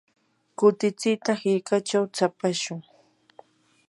kutichita hirkachaw tsapashun.